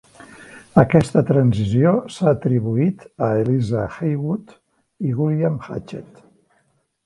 Aquesta transició s'ha atribuït a Eliza Haywood i William Hatchett.